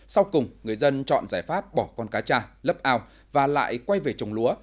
sau cùng người dân chọn giải pháp bỏ con cá cha lấp ao và lại quay về trồng lúa